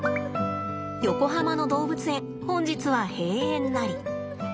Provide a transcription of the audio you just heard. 横浜の動物園本日は閉園なり。